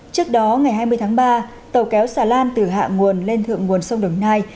trước đó ngày hai mươi tháng ba tàu kéo xà lan từ hạ nguồn lên thượng nguồn sông đồng nai